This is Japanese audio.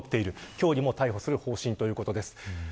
今日にも逮捕する方針ということです。